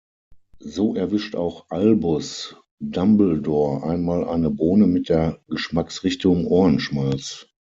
So erwischt auch Albus Dumbledore einmal eine Bohne mit der Geschmacksrichtung Ohrenschmalz.